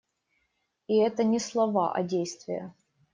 И это не слова, а действия.